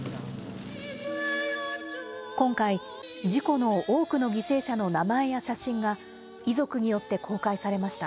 今回、事故の多くの犠牲者の名前や写真が、遺族によって公開されました。